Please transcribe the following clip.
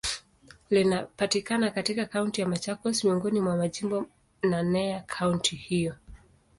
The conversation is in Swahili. Linapatikana katika Kaunti ya Machakos, miongoni mwa majimbo naneya kaunti hiyo.